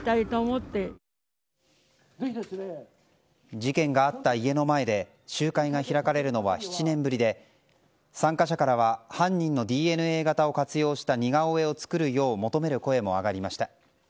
事件があった家の前で集会が開かれるのは７年ぶりで参加者からは犯人のＤＮＡ型を活用した似顔絵を作るよう求める声も上がりました。